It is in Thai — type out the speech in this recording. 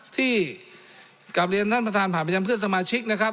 ที่กลับเรียนท่านประธานผ่านไปยังเพื่อนสมาชิกนะครับ